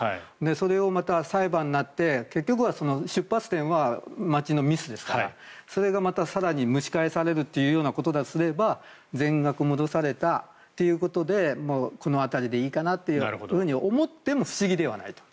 それをまた裁判になって結局は出発点は町のミスですからそれがまた、更に蒸し返されるということだとすれば全額戻されたということでこの辺りでいいかなと思っても不思議ではないと。